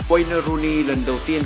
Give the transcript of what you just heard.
wayne rooney lần đầu tiên